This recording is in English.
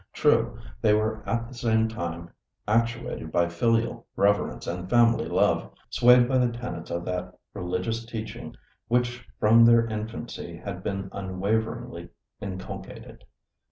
True, they were at the same time actuated by filial reverence and family love, swayed by the tenets of that religious teaching which from their infancy had been unwaveringly inculcated.